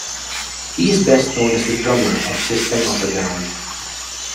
He is best known as the drummer of System of a Down.